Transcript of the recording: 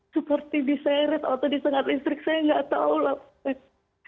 seperti diseret atau disengat listrik saya nggak tahu lah